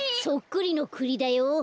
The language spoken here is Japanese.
そっくりのクリだよ。